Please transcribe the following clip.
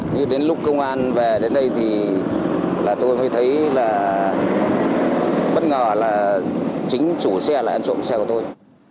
nhưng đến lúc công an về đến đây thì là tôi mới thấy là bất ngờ là chính chủ xe là ăn trộm xe của tôi